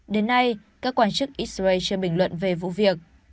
đến nay các quan chức israel chưa bình luận về vụ việc